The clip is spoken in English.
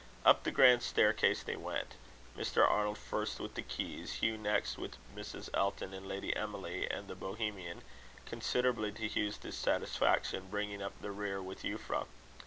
Up the grand staircase they went, Mr. Arnold first with the keys, Hugh next with Mrs. Elton and Lady Emily, and the Bohemian, considerably to Hugh's dissatisfaction, bringing up the rear with Euphra.